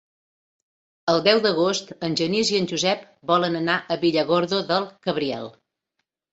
El deu d'agost en Genís i en Josep volen anar a Villargordo del Cabriel.